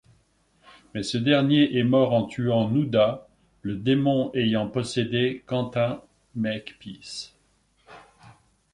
Mais ce dernier est mort en tuant Nouda, le démon ayant possédé Quentin Makepeace.